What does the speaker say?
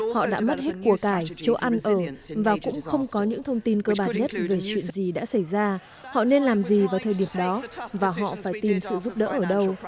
họ đã mất hết cua cải chỗ ăn ở và cũng không có những thông tin cơ bản nhất về chuyện gì đã xảy ra họ nên làm gì vào thời điểm đó và họ phải tìm sự giúp đỡ ở đâu